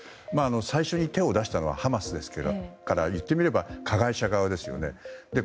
最初に手を出したのはハマスですがいってみれば加害者側ですよね。